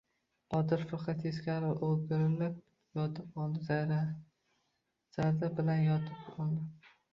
Botir firqa teskari o‘girilib yotib oldi. Zarda bilan yotib oldi.